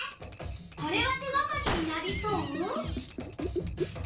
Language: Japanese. これは手がかりになりそう？